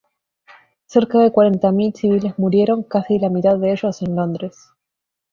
Cerca de cuarenta mil civiles murieron, casi la mitad de ellos en Londres.